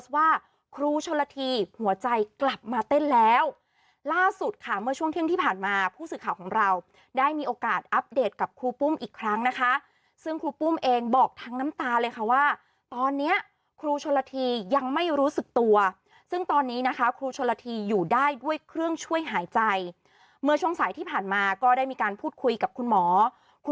ว่าครูชนละทีหัวใจกลับมาเต้นแล้วล่าสุดค่ะเมื่อช่วงเที่ยงที่ผ่านมาผู้สื่อข่าวของเราได้มีโอกาสอัปเดตกับครูปุ้มอีกครั้งนะคะซึ่งครูปุ้มเองบอกทั้งน้ำตาเลยค่ะว่าตอนเนี้ยครูชนละทียังไม่รู้สึกตัวซึ่งตอนนี้นะคะครูชนละทีอยู่ได้ด้วยเครื่องช่วยหายใจเมื่อช่วงสายที่ผ่านมาก็ได้มีการพูดคุยกับคุณหมอค